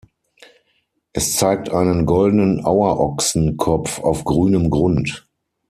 Es zeigt einen goldenen "Auer"ochsenkopf auf grünem Grund.